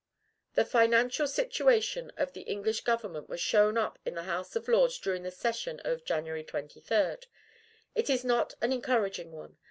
"The financial situation of the English government was shown up in the House of Lords during the session of January 23. It is not an encouraging one.